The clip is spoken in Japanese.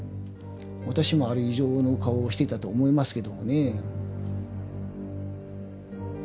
私もあれ以上の顔をしてたと思いますけどもねえ。